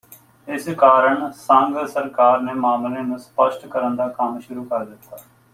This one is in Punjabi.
ਇਸ ਕਾਰਣ ਸੰਘ ਸਰਕਾਰ ਨੇ ਮਾਮਲੇ ਨੂੰ ਸਪੱਸ਼ਟ ਕਰਨ ਦਾ ਕੰਮ ਸ਼ੂਰੁ ਕਰ ਦਿੱਤਾ